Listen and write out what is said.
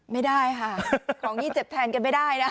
ไม่ได้ค่ะของนี่เจ็บแทนกันไม่ได้นะ